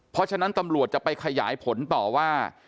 เพราะฉะนั้นตำรวจจะไปขยายผลต่อว่า